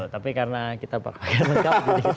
tapi karena kita pakai lengkap